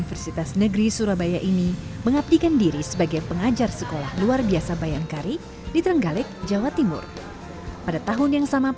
ketidaksempurnaan saya akhirnya berubah rupa sebagai wujud syukur kepada allah swt